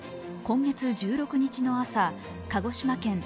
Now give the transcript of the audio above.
今月１６日の朝、鹿児島県